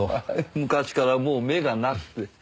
昔からもう目がなくてはい。